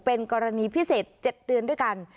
เป็นกรณีพิเศษ๗เดือนด้วยกัน